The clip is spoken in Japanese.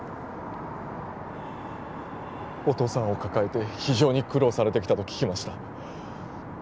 お父さんを抱えて非常に苦労されてきたと聞きました